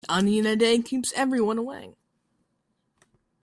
An onion a day keeps everyone away.